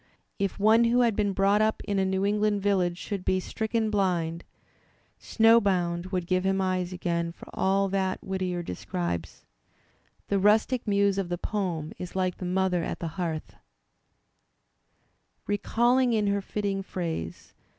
If one who had been brought up in a New England village should be stricken blind, "Snow Bound" would give him eyes again for all that Whit Digitized by Google 120 THE SPIRIT OP AMERICAN LITERATURE tier describes. The rustic muse of the poem is like the mother at the hearth Recalling in her fitting phrase.